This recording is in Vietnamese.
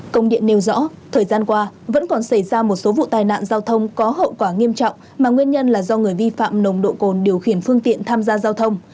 công điện nêu rõ thời gian qua vẫn còn xảy ra một số vụ tai nạn giao thông có hậu quả nghiêm trọng mà nguyên nhân là do người vi phạm nồng độ cồn điều khiển phương tiện tham gia giao thông